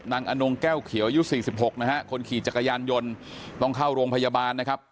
อนงแก้วเขียวอายุ๔๖นะฮะคนขี่จักรยานยนต์ต้องเข้าโรงพยาบาลนะครับ